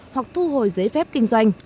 hoặc thu hồi giấy phép kinh doanh